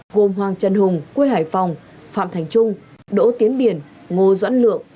gồm hoàng trần hùng quê hải phòng phạm thành trung đỗ tiến biển ngô doãn lượng